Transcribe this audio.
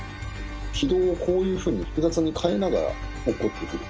軌道をこういうふうに複雑に変えながらおっこってくる。